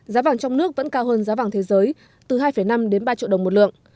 giá vàng trong nước vẫn cao hơn giá vàng thế giới từ hai năm đến ba triệu đồng một lượng